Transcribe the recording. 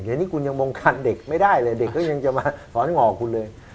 เดี๋ยวนี้คุณยังบงการเด็กไม่ได้เลยเด็กก็ยังจะมาถอนงอกคุณเลย